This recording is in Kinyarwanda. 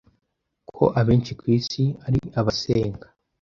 Ko abenshi ku Isi ari abasenga